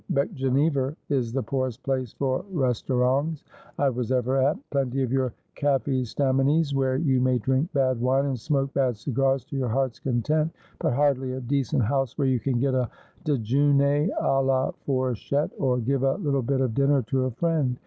Bat G enever is the poorest place for restorongs I was ever at ; plenty of your cafEy staminies, where you may drink bad wine and smoke bad cigars to your heart's content ; but hardly a decent house where you can get a dejoonay a la fourchette, or give a little bit of dinner to a friend.